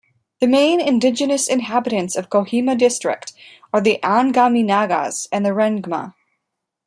The main "indigenous inhabitants" of Kohima district are the Angami Nagas and the Rengma.